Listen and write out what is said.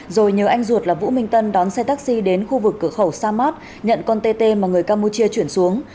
rồi nhớ anh ruột là vũ minh tân đón xe taxi đến khu vực cửa khẩu samad nhận con tê tê mà người campuchia chuyển xuống